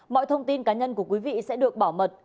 mọi thông tin cá nhân của quý vị sẽ được bảo mật